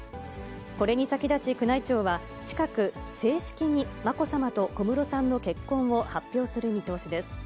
これに先立ち、宮内庁は近く、正式にまこさまと小室さんの結婚を発表する見通しです。